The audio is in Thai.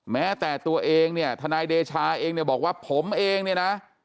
แม้แต่ตัวเองเนี่ยทนายเดชาเองเนี่ยบอกว่าผมเองเนี่ยนะ